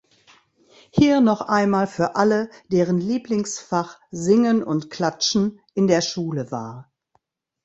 Hier noch einmal für alle, deren Lieblingsfach "Singen und Klatschen" in der Schule war.